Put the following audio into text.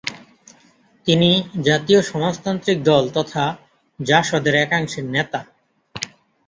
তিনি জাতীয় সমাজতান্ত্রিক দল তথা জাসদের একাংশের নেতা।